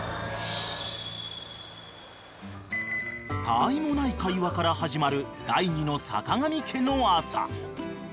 ［他愛もない会話から始まる第２の坂上家の朝］